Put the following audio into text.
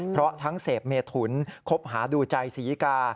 เพราะทั้งเสพเมถุนคบหาดูใจศรีกา